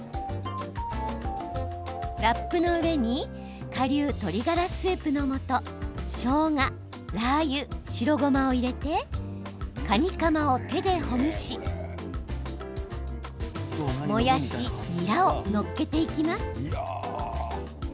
ラップの上にかりゅう鶏ガラスープのもとしょうが、ラーユ白ごまを入れてかにかまぼこを手でほぐしもやし、ニラを載っけていきます。